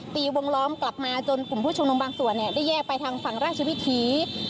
ตีวงล้อมกลับมาจนกลุ่มผู้ชุมนุมบางส่วนได้แยกไปทางฝั่งราชวิถี